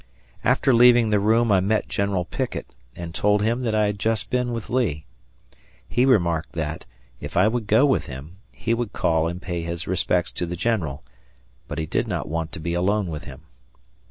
After leaving the room, I met General Pickett, and told him that I had just been with Lee. He remarked that, if I would go with him, he would call and pay his respects to the general, but he did not want to be alone with him.